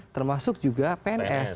termasuk juga pns